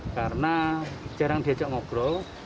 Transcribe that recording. karena jarang diajak ngobrol